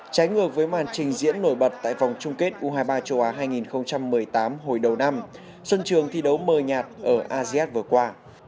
trái ngược với màn trình diễn nổi bật tại vòng chung kết u hai mươi ba châu á hai nghìn một mươi tám hồi đầu năm xuân trường thi đấu mờ nhạt ở asean vừa qua